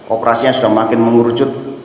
operasinya sudah makin mengerucut